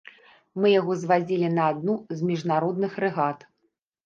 Мы яго звазілі на адну з міжнародных рэгат.